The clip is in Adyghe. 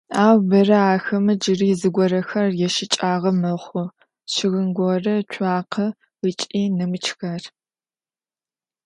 Ау бэрэ ахэмэ джыри зыгорэхэр ящыкӏагъэ мэхъу: щыгъын горэ, цуакъэ ыкӏи нэмыкӏхэр.